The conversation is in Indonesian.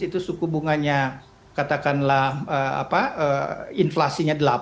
itu suku bunganya katakanlah inflasinya delapan